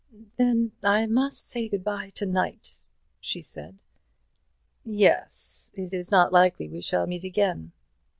"Then I must say good bye to night," she said. "Yes, it is not likely we shall meet again.